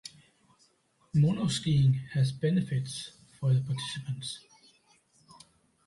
Monoskiing has benefits for participants.